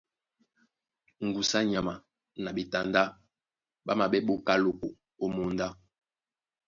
Ŋgusu á nyama na ɓetandá ɓá maɓɛ́ ɓá oká loko ó mǒndá.